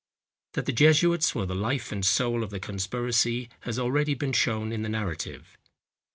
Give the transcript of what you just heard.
That the jesuits were the life and soul of the conspiracy has already been shown in the narrative.